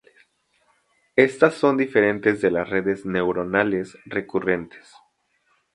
Estas son diferentes de las redes neuronales recurrentes.